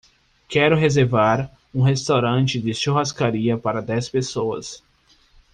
Quero reservar um restaurante de churrascaria para dez pessoas.